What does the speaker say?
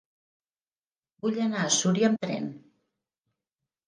Vull anar a Súria amb tren.